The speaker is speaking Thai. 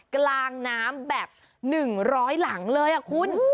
กลางน้ำแบบ๑๐๐หลังเลยคุณ